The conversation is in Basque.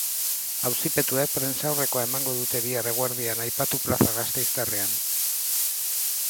Auzipetuek prentsaurrekoa emango dute bihar eguerdian, aipatu plaza gasteiztarrean.